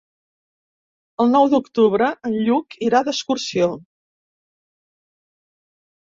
El nou d'octubre en Lluc irà d'excursió.